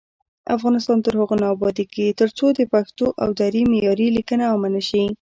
افغانستان تر هغو نه ابادیږي، ترڅو د پښتو او دري معیاري لیکنه عامه نشي.